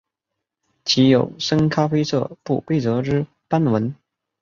体有深咖啡色不规则之斑纹。